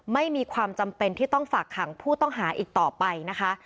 ไม่มีความจำเป็นที่ต้องฝากขังผู้ต้องหาอีกต่อไปนะคะ